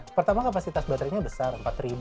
pertama kapasitas baterainya besar empat